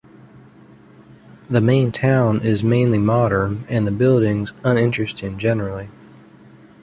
The main town is mainly modern and the buildings uninteresting generally.